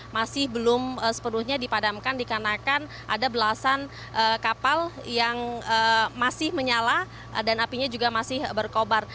masih belum sepenuhnya dipadamkan dikarenakan ada belasan kapal yang masih menyala dan apinya juga masih berkobar